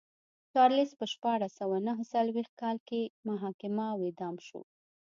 چارلېز په شپاړس سوه نه څلوېښت کال کې محاکمه او اعدام شو.